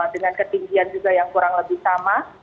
dengan ketinggian juga yang kurang lebih sama